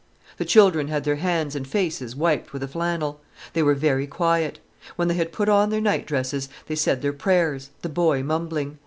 The children had their hands and faces wiped with a flannel. They were very quiet. When they had put on their nightdresses, they said their prayers, the boy mumbling.